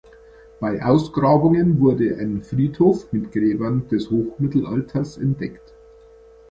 Bei Ausgrabungen wurde ein Friedhof mit Gräbern des Hochmittelalters entdeckt.